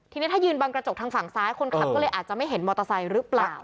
ทีนี้ถ้ายืนบังกระจกทางฝั่งซ้ายคนขับก็เลยอาจจะไม่เห็นมอเตอร์ไซค์หรือเปล่า